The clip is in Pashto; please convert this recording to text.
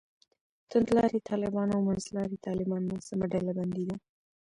توندلاري طالبان او منځلاري طالبان ناسمه ډلبندي ده.